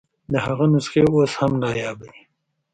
د هغه نسخې اوس هم نایابه دي.